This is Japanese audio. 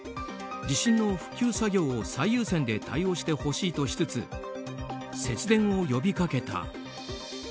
地震の復旧作業を最優先で対応してほしいとしつつ節電を呼びかけた。